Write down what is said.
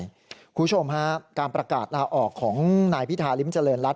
คุณผู้ชมฮะการประกาศลาออกของนายพิธาริมเจริญรัฐ